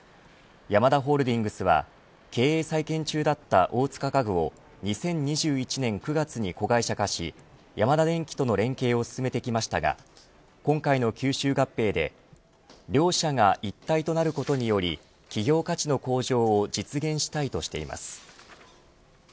ヤマダホールディングスは経営再建中だった大塚家具を２０２１年９月に子会社化しヤマダデンキとの連携を進めてきましたが今回の吸収合併で両社が一体となることにより企業価値の向上を実現したいとしています。